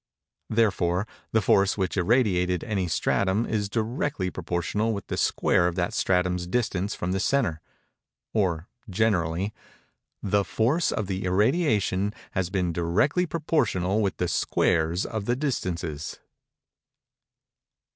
Therefore the force which irradiated any stratum is directly proportional with the square of that stratum's distance from the centre:—or, generally, _The force of the irradiation has been directly proportional with the squares of the distances.